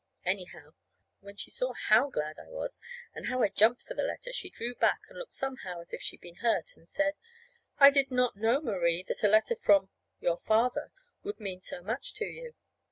Anyhow, when she saw how glad I was, and how I jumped for the letter, she drew back, and looked somehow as if she'd been hurt, and said: "I did not know, Marie, that a letter from your father would mean so much to you."